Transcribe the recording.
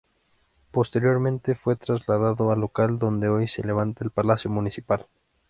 Posteriormente fue trasladado al local donde hoy se levanta el Palacio Municipal.